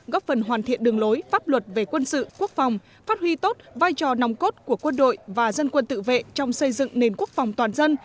góp phần hoàn thiện đường lối pháp luật về quân sự quốc phòng phát huy tốt vai trò nòng cốt của quân đội và dân quân tự vệ trong xây dựng nền quốc phòng toàn dân